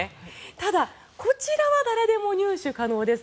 ただ、こちらは誰でも入手可能です。